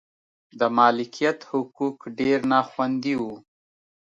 د مالکیت حقوق ډېر نا خوندي و.